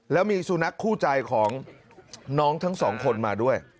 แล้วมีสุนัขคู่ใจของน้องทั้งสองคนมาด้วย